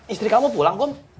istri kamu pulang kom